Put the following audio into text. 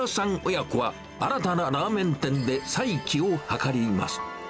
親子は、新たなラーメン店で再起を図ります。